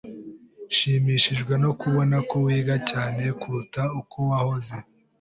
Nshimishijwe no kubona ko wiga cyane kuruta uko wahoze.